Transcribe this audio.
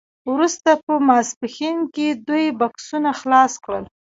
وروسته په ماسپښین کې دوی بکسونه خلاص کړل